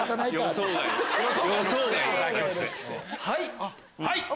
はい！